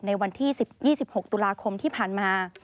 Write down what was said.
ในวันที่๒๖ตุลาคมที่ผ่านมา